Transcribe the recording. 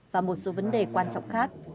và một số vấn đề quan trọng khác